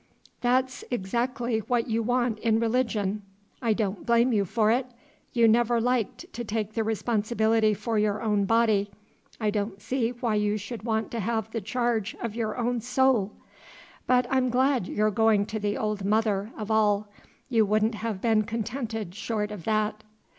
That 's exactly what you want in religion. I don't blame you for it. You never liked to take the responsibility of your own body; I don't see why you should want to have the charge of your own soul. But I'm glad you're going to the Old Mother of all. You wouldn't have been contented short of that."